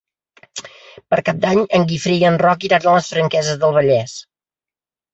Per Cap d'Any en Guifré i en Roc iran a les Franqueses del Vallès.